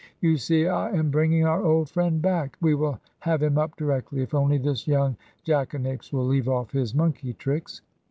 "You see I am bringing our old friend back; we will have him up directly if only this young jackanapes will leave off his monkey tricks."